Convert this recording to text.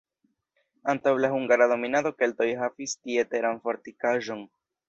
Antaŭ la hungara dominado keltoj havis tie teran fortikaĵon.